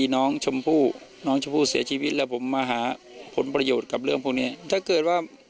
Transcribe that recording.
น้องชมพู่เสียชีวิตแล้วผมมาหาผลประโยชน์กับเรื่องพวกมัน